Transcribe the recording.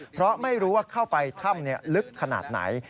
เพราะไม่รู้ว่าเข้าไปถ้ำลึกขนาดไหน